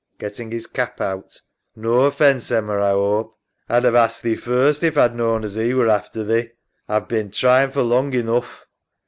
{Getting his cap out) No offence, Emma, A 'ope. A'd 'ave asked thee first if A'd knawn as 'e were after thee. A've bin tryin' for long enough.